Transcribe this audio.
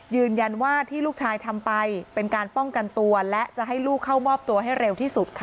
ยืนยันว่าที่ลูกชายทำไปเป็นการป้องกันตัวและจะให้ลูกเข้ามอบตัวให้เร็วที่สุดค่ะ